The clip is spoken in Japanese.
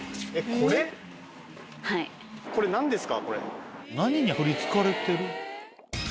ここ何ですか？